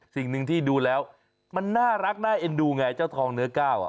สิ่งหนึ่งที่ดูแล้วมันน่ารักน่าเอ็นดูไงเจ้าทองเนื้อก้าว